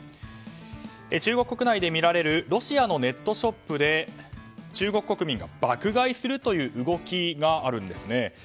中国国内で見られるロシアのネットショップで中国国民が爆買いするという動きがあるんですね。